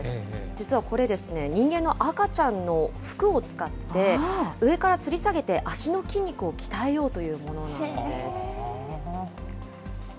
実はこれ、人間の赤ちゃんの服を使って、上からつり下げて、足の筋肉を鍛えようというものなんです。